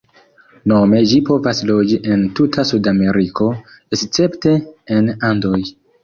Nome ĝi povas loĝi en tuta Sudameriko, escepte en Andoj.